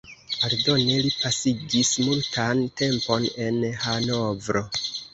Aldone li pasigis multan tempon en Hanovro.